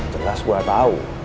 jelas gue tau